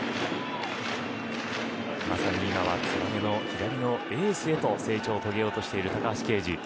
まさに今は左のエースへと成長を遂げようとしている高橋奎二。